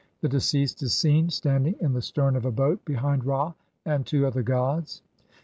52) the deceased is seen standing in the stern of a boat behind Ra and two other gods.